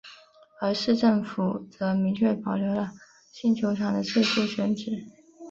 而市政府则明确保留了新球场的最初选址。